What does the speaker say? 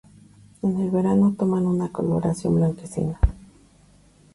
En el verano toman una coloración blanquecina.